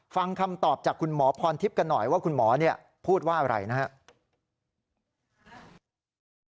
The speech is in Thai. ฟังคำตอบจากคุณหมอพรทิพย์กันหน่อยว่าคุณหมอพูดว่าอะไรนะครับ